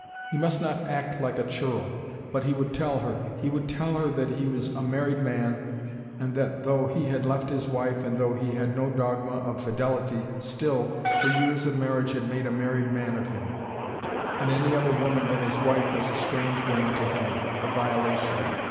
He must not act like a churl. But he would tell her he would tell her that he was a married man, and that though he had left his wife, and though he had no dogma of fidelity, still, the years of marriage had made a married man of him, and any other woman than his wife was a strange woman to him, a violation.